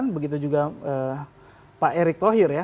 begitu juga pak erik tohir ya